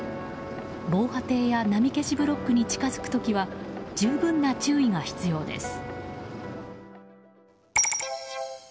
防波堤や波消しブロックに近づく時は十分な注意が必要です。